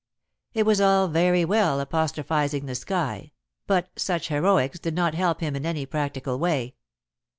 It was all very well apostrophizing the sky, but such heroics did not help him in any practical way.